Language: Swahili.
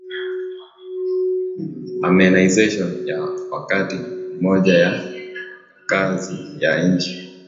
Armenization ya wakati mmoja ya kazi ya nchi